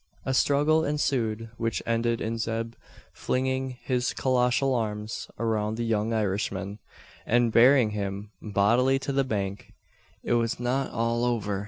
A struggle ensued, which ended in Zeb flinging his colossal arms around the young Irishman, and bearing him bodily to the bank. It was not all over.